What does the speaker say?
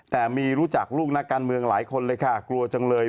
แต่มีรู้จักลูกนักการเมืองหลายคนเลยค่ะกลัวจังเลย